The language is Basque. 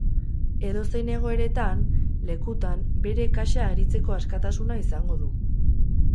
Edozein egoeretan, lekutan, bere kasa aritzeko askatasuna izango du.